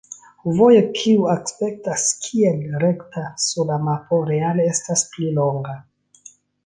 Vojo kiu aspektas kiel rekta sur la mapo reale estas pli longa.